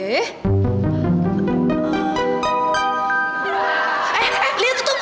eh eh liat tuh